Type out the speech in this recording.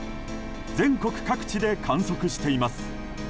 全国各地で観測しています。